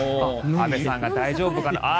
安部さんが大丈夫かな。